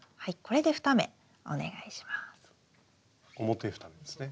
表２目ですね。